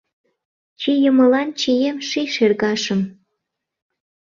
Чийымылан чием ший шергашым